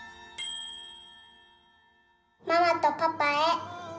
「ママとパパへ。